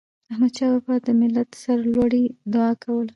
احمدشاه بابا به د ملت د سرلوړی دعا کوله.